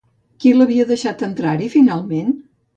Qui l'havia deixat entrar-hi, finalment?